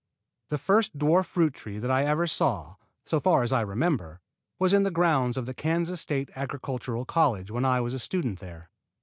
The first dwarf fruit tree that I ever saw, so far as I remember, was in the grounds of the Kansas State Agricultural College when I was a student there.